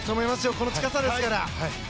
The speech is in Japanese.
この力ですから。